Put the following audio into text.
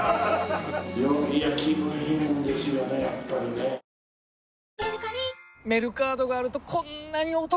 いや気分いいもんですよねやっぱりね。やだ！